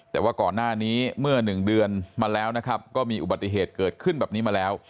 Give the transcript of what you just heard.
แต่ว่าก่อนหน้านี้เมื่อ๑เดือนมาแล้วนะครับก็มีอุบัติเหตุเกิดขึ้นแบบนี้มาแล้ว